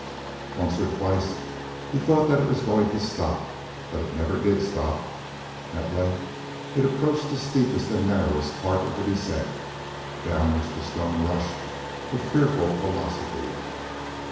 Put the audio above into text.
Once or twice he thought that it was going to stop, but it never did stop. At length it approached the steepest and narrowest part of the descent, down which the stone rushed with fearful velocity.